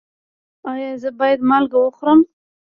ایا زه باید مالګه وخورم؟